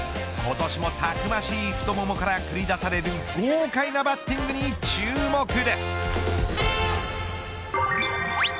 今年もたくましい太腿から繰り出される豪快なバッティングに注目です。